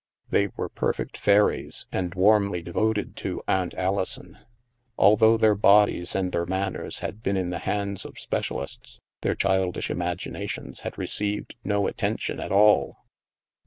They were perfect fairies and warmly devoted to *' Aunt Alison." Although their bodies and their manners had been in the hands of specialists, their childish imaginations had received no attention at all.